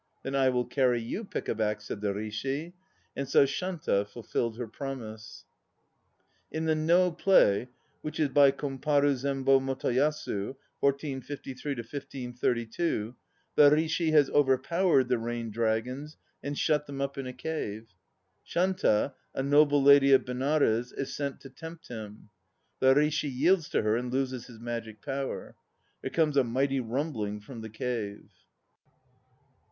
"Then I will carry you pickaback," said the Rishi. And so Shanta fulfilled her promise. In the No play (which is by Komparu Zembo Motoyasu 1453 1532) the Rishi has overpowered the Rain dragons, and shut them up in a cave. Shanta, a noble lady of Benares, is sent to tempt him. The Rishi yields to her and loses his magic power. There comes a mighty rumbling from the cave.